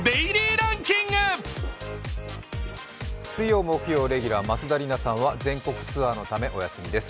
水曜、木曜レギュラー松田里奈さんは全国ツアーのためお休みです。